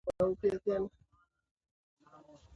Lilikuwa jambo la kusikitisha sana